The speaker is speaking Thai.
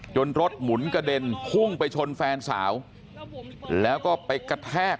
รถหมุนกระเด็นพุ่งไปชนแฟนสาวแล้วก็ไปกระแทก